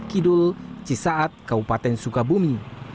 kidul cisaat kaupaten sukabumi